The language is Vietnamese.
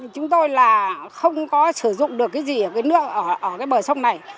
chúng tôi là không có sử dụng được cái gì ở cái nước ở cái bờ sông này